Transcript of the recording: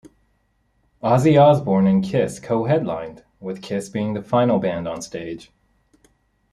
Ozzy Osbourne and Kiss co-headlined with Kiss being the final band on stage.